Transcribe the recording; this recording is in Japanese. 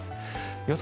予想